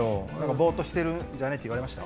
ぼーっとしてるんじゃねえって言われました？